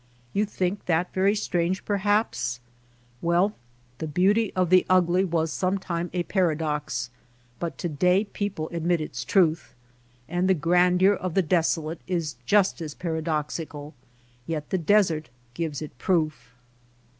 You think that very strange perhaps ? Well, the beauty of the ugly was sometime a paradox, but to day people admit its truth ; and the grandeur of the desolate is just as paradoxical, yet the desert gives it proof.